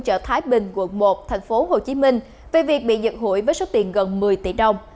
chợ thái bình quận một thành phố hồ chí minh về việc bị giật hụi với số tiền gần một mươi tỷ đồng